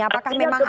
apakah memang ada